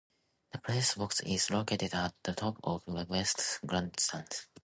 The press box is located at the top of the west grandstand.